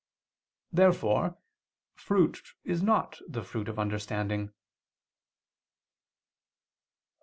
Therefore fruit is not the fruit of understanding. Obj.